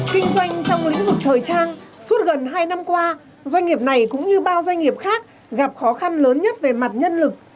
kinh doanh trong lĩnh vực thời trang suốt gần hai năm qua doanh nghiệp này cũng như bao doanh nghiệp khác gặp khó khăn lớn nhất về mặt nhân lực